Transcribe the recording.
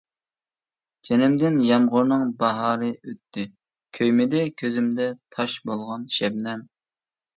جىنىمدىن يامغۇرنىڭ باھارى ئۆتتى، كۆيمىدى كۆزۈمدە تاش بولغان شەبنەم.